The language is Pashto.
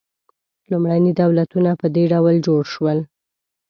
لومړني دولتونه په دې ډول جوړ شول.